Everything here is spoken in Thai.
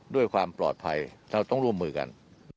ด้วยความปลอดภัยเราต้องร่วมมือกัน